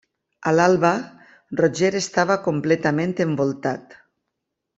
A l'alba, Roger estava completament envoltat.